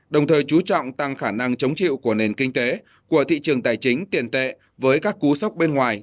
đồng thời chú trọng tăng khả năng chống chịu của nền kinh tế của thị trường tài chính tiền tệ với các cú sốc bên ngoài